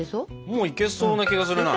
もういけそうな気がするな。